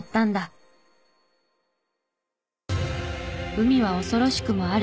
海は恐ろしくもある。